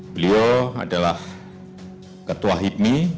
beliau adalah ketua hidmi